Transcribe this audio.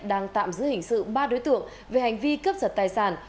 đang tạm giữ hình sự ba đối tượng về hành vi cướp giật tài sản